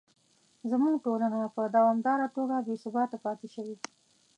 زموږ ټولنه په دوامداره توګه بې ثباته پاتې شوې.